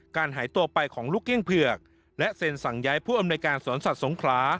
หายตัวไปของลูกเก้งเผือกและเซ็นสั่งย้ายผู้อำนวยการสวนสัตว์สงขลา